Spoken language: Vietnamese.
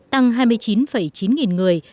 tăng hai mươi chín chín nghìn người